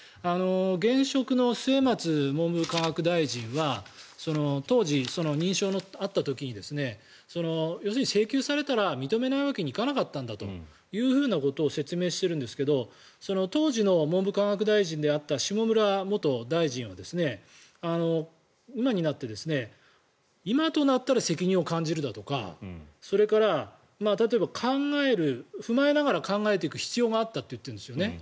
現職の末松文部科学大臣は当時、認証のあった時に要するに請求されたら認めないわけにはいかなかったんだということを説明してるんですが当時の文部科学大臣であった下村元大臣は今になって今となったら責任を感じるだとかそれから、例えば踏まえながら考えていく必要があったと言ってるんですよね。